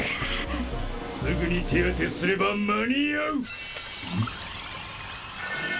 すぐに手当てすれば間に合ううん？